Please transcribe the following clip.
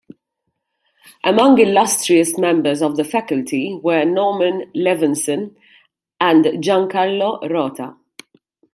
Among illustrious members of the faculty were Norman Levinson and Gian-Carlo Rota.